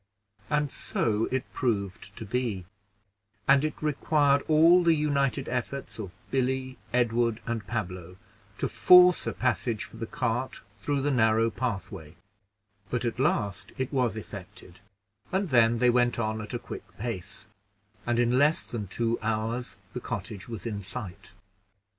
And so it proved to be; and it required all the united efforts of Billy, Edward, and Pablo to force a passage for the cart through the narrow pathway; but at last it was effected, and then they went on at a quick pace, and in less than two hours the cottage was in sight.